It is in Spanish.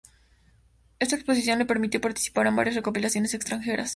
Esta exposición les permitió participar en varias recopilaciones extranjeras.